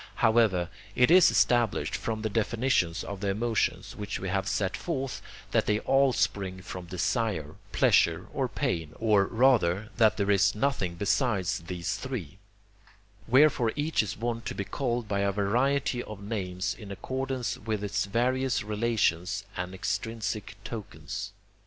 However, it is established from the definitions of the emotions, which we have set forth, that they all spring from desire, pleasure, or pain, or, rather, that there is nothing besides these three; wherefore each is wont to be called by a variety of names in accordance with its various relations and extrinsic tokens.